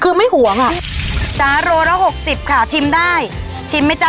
คือไม่ห่วงอ่ะจ๊ะโลละหกสิบค่ะชิมได้ชิมไหมจ๊ะ